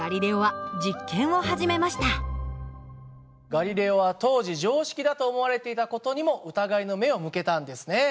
ガリレオは当時常識だと思われていた事にも疑いの目を向けたんですね。